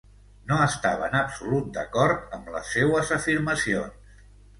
No estava en absolut d'acord amb les seues afirmacions.